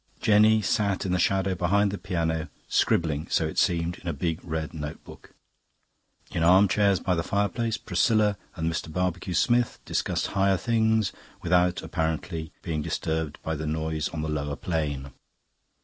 Jenny sat in the shadow behind the piano, scribbling, so it seemed, in a big red notebook. In arm chairs by the fireplace, Priscilla and Mr. Barbecue Smith discussed higher things, without, apparently, being disturbed by the noise on the Lower Plane.